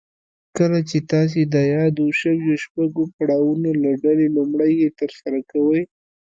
کله چې تاسې د يادو شويو شپږو پړاوونو له ډلې لومړی يې ترسره کوئ.